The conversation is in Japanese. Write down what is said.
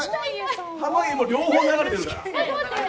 濱家、両方流れてるから。